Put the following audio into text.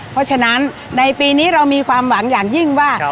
เพราะฉะนั้นในปีนี้เรามีความหวังอย่างยิ่งว่า